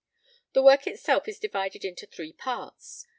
The work itself is divided into three parts.